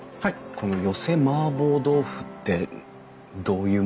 この寄せ麻婆豆腐ってどういうものですかね？